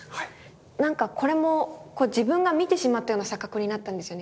なんかこれも自分が見てしまったような錯覚になったんですよね。